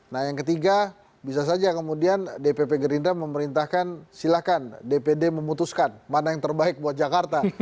nah yang ketiga bisa saja kemudian dpp gerindra memerintahkan silahkan dpd memutuskan mana yang terbaik buat jakarta